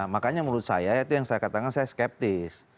makanya menurut saya itu yang saya katakan saya skeptis